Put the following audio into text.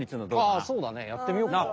ああそうだねやってみよっか。